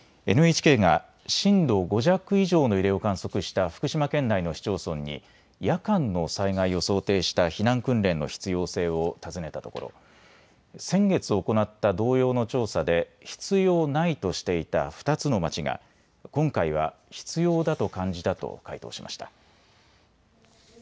ＮＨＫが震度５弱以上の揺れを観測した福島県内の市町村に夜間の災害を想定した避難訓練の必要性を尋ねたところ先月、行った同様の調査で必要ないとしていた２つの町が今回は必要だと感じたと回答しました。